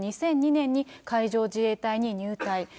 ２００２年に海上自衛隊に入隊。